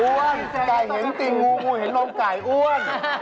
อ้วนไก่เห็นตีงงูเห็นลมไก่อ้วน